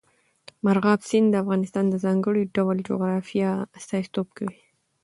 مورغاب سیند د افغانستان د ځانګړي ډول جغرافیه استازیتوب کوي.